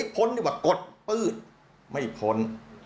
พ้นดีกว่ากดปืดไม่พ้น